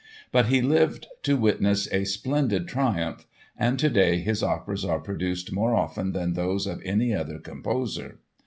But he lived to witness a splendid triumph; and to day his operas are produced more often than those of any other composer.